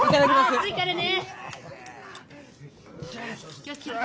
熱いからね！